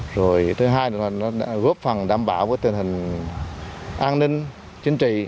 rồi thứ hai là góp phần đảm bảo với tình hình an ninh chính trị